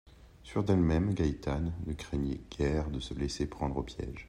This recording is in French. Sûre d’elle-même, Gaétane ne craignait guère de se laisser prendre au piège.